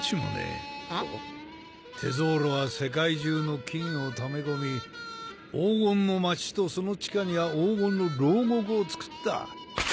テゾーロは世界中の金をため込み黄金の街とその地下には黄金の牢獄をつくった。